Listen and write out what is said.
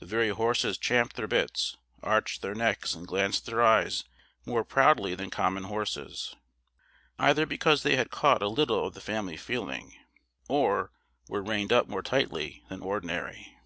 The very horses champed their bits, arched their necks, and glanced their eyes more proudly than common horses; either because they had caught a little of the family feeling, or were reined up more tightly than ordinary.